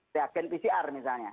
reagen pcr misalnya